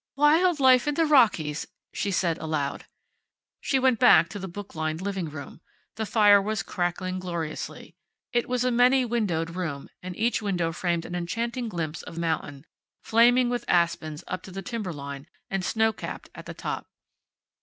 "Wild life in the Rockies," she said aloud. She went back to the book lined living room. The fire was crackling gloriously. It was a many windowed room, and each window framed an enchanting glimpse of mountain, flaming with aspens up to timber line, and snow capped at the top.